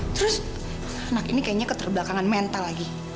terus anak ini kayaknya keterbelakangan mental lagi